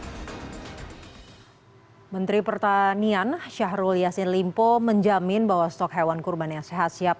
hai menteri pertanian syahrul yassin limpo menjamin bahwa stok hewan kurban yang sehat siap